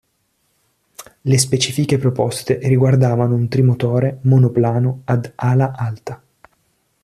Le specifiche proposte riguardavano un trimotore monoplano ad ala alta.